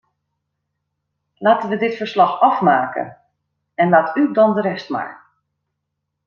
Laten we dit verslag afmaken, en laat u dan de rest maar.